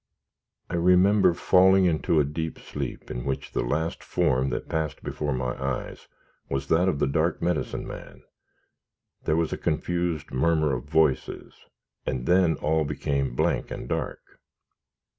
I remember falling into a deep sleep, in which the last form that passed before my eyes was that of the dark Medicine Man; there was a confused murmur of voices, and then all became blank and dark.